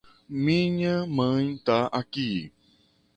Minha mãe tá aqui